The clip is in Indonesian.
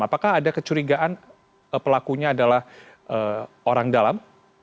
apakah ada kecurigaan pelakunya adalah orang dalam